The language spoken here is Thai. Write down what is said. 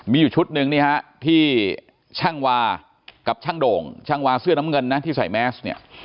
มีอยู่ชุดหนึ่งนี่ฮะที่ช่างวากับช่างโด่งช่างวาเสื้อน้ำเงินนะที่ใส่แมสเนี่ย